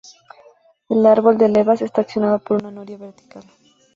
El árbol de levas está accionado por una noria vertical.